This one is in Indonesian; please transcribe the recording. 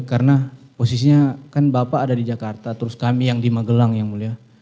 karena posisinya kan bapak ada di jakarta terus kami yang di magelang ya mulia